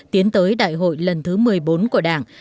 tiến tới đại hội lần thứ một mươi bốn của đảng